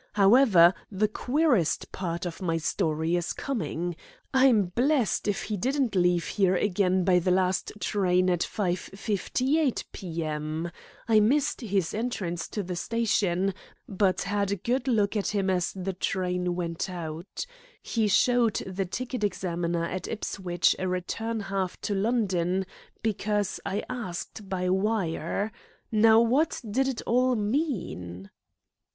However, the queerest part of my story is coming. I'm blest if he didn't leave here again by the last train at 5.58 p.m. I missed his entrance to the station, but had a good look at him as the train went out. He showed the ticket examiner at Ipswich a return half to London, because I asked by wire. Now what did it all mean?"